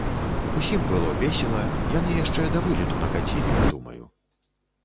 Усім было весела, яны яшчэ да вылету накацілі, я думаю.